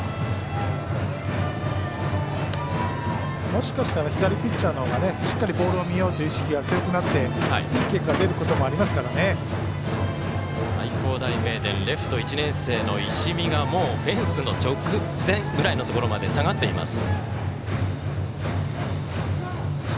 もしかしたら左ピッチャーのほうがしっかりボールを見ようと意識は強くなって、いい結果が愛工大名電レフト１年生の石見がフェンスの直前ぐらいのところまで下がっています。